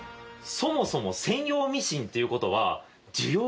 そもそも専用ミシンっていう事は。